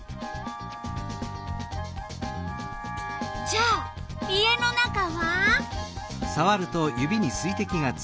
じゃあ家の中は？